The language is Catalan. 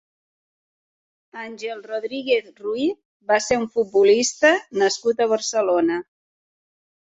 Àngel Rodríguez Ruiz va ser un futbolista nascut a Barcelona.